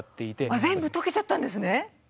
全部とけちゃったんですね。